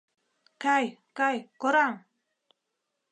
Кай, кай, кораҥ!..